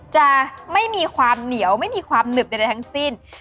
จะไม่มีความเหนียวไม่มีความหนึบใดทั้งสิ้น